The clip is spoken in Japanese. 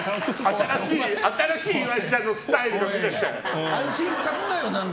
新しい岩井ちゃんのスタイルが見れて。